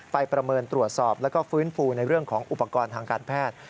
ประเมินตรวจสอบแล้วก็ฟื้นฟูในเรื่องของอุปกรณ์ทางการแพทย์